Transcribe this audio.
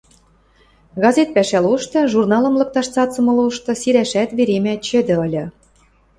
Газет пӓшӓ лошты, журналым лыкташ цацымы лошты сирӓшӓт веремӓ чӹдӹ ыльы.